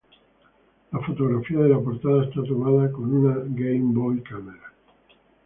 La fotografía de la portada está tomada con una Game Boy Camera.